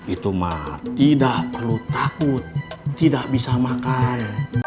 itu mah tidak perlu takut tidak bisa makan